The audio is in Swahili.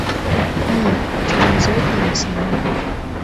ee tuna zaidi ya wasanii